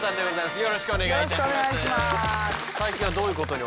よろしくお願いします。